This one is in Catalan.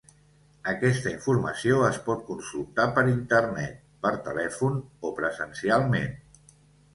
Aquesta informació es pot consultar per Internet, per telèfon o presencialment.